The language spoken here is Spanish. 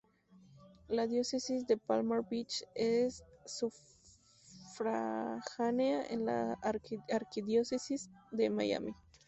La Diócesis de Palm Beach es sufragánea de la Arquidiócesis de Miami.